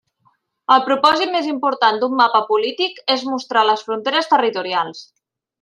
El propòsit més important d'un mapa polític és mostrar les fronteres territorials.